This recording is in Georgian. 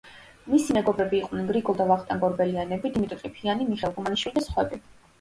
მისი მეგობრები იყვნენ გრიგოლ და ვახტანგ ორბელიანები, დიმიტრი ყიფიანი, მიხეილ თუმანიშვილი და სხვები.